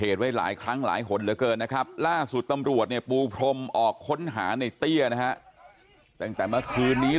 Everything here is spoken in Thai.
เอาขึ้นรถกระบะสีดำไปละนี่